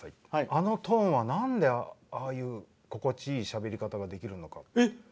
あのトーンは、なんでああいう心地よいしゃべり方ができるのか。